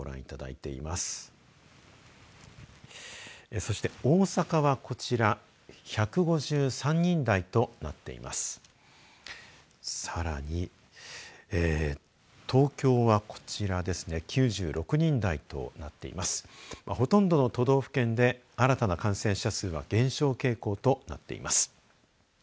そしてほとんどの都道府県で新たな感染者数が減少傾向となっています。